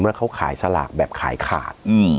ว่าเขาขายสลากแบบขายขาด